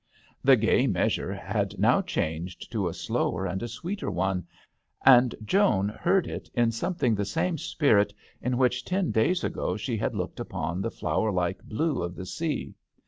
The gay measure had now changed to a slower and a sweeter one, and Joan heard it in something the same spirit in which ten days ago she had looked upon the flower like blue of the sea.